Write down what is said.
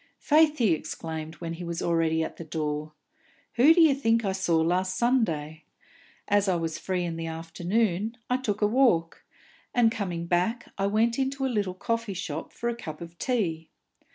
"Faith," he exclaimed, when he was already at the door, "who d'ye think I saw last Sunday? As I was free in the afternoon, I took a walk, and, coming back, I went into a little coffee shop for a cup of tea.